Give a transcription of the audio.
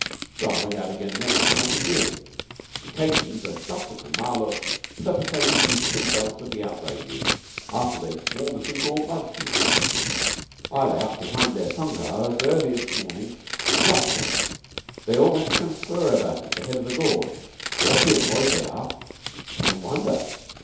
So I went out again the next night and did. The Khye Kheens are shocked at the Malôts perpetratin' these two dastardly outrages after they'd sworn to sink all bleed feuds. I lay up behind their sungars early this morning and watched 'em. They all went to confer about it at the head of the gorge. Awf'ly annoyed they are. Don't wonder.